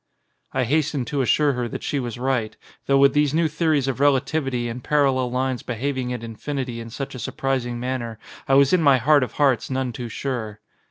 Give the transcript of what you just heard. I hastened to assure her that she was right, though with these new theories of relativity and parallel lines behaving at infinity in such a sur prising manner I was in my heart of hearts none too sure.